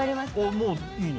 もういいの？